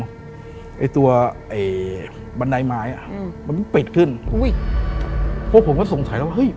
ไอ้ตัวไอ้บันไดไม้อ่ะอืมมันปิดขึ้นอุ้ยพวกผมก็สงสัยแล้วเฮ้ย